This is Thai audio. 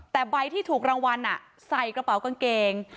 แต่ใบที่ถูกรางวัลใส่กระเป๋ากางเกง